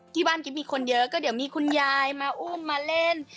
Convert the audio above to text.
ที่บ้านกิ๊บมีคนเยอะก็เดี๋ยวมีคุณยายมาอุ้มมาเล่น